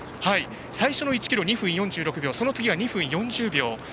最初の１ｋｍは２分４６秒その次は２分４０秒。